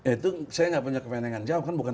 itu saya gak punya kebenengan jawab